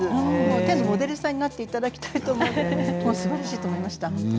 手のモデルさんになっていただきたいと思うぐらいすばらしいと思いました。